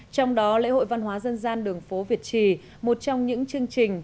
trong đó lễ hội văn hóa dân gian đường phố việt trì một trong những chương trình